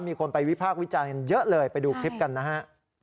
มีคนไปวิภาควิจัยเยอะเลยไปดูคลิปกันนะฮะ